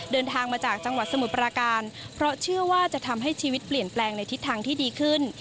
เดินทางมาจากจังหวัดสมุทรปราการเพราะเชื่อว่าจะทำให้ชีวิตเปลี่ยนแปลงในทิศทางที่ดีขึ้น